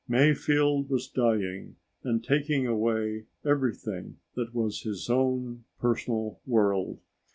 Mayfield was dying and taking away everything that was his own personal world.